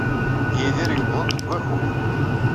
Yidir yewweḍ-d deg wakud.